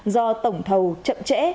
do tổng thầu chậm trễ